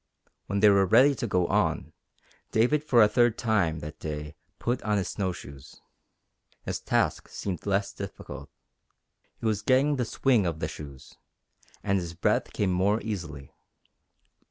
When they were ready to go on David for a third time that day put on his snow shoes. His task seemed less difficult. He was getting the "swing" of the shoes, and his breath came more easily.